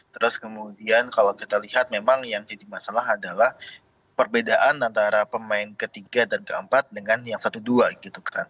terus kemudian kalau kita lihat memang yang jadi masalah adalah perbedaan antara pemain ketiga dan keempat dengan yang satu dua gitu kan